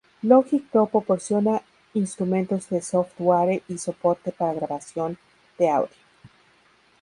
Logic Pro proporciona instrumentos de software y soporte para grabación de audio.